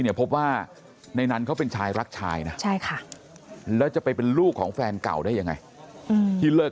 พบว่าในนั้นเขาเป็นชายรักชายนะใช่ค่ะแล้วจะไปเป็นลูกของแฟนเก่าได้ยังไงที่เลิก